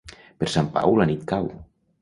Per Sant Pau la nit cau.